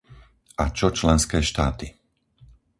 A čo členské štáty?